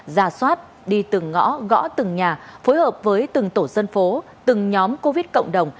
ra soát đi từng ngõ gõ từng nhà phối hợp với từng tổ dân phố từng nhóm covid cộng đồng